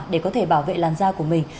để có thể bảo vệ làn da của mình